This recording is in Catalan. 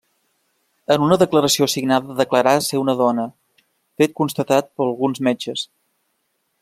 En una declaració signada declarà ser una dona, fet constatat per alguns metges.